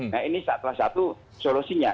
nah ini salah satu solusinya